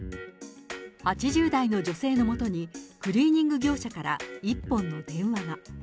８０代の女性のもとに、クリーニング業者から一本の電話が。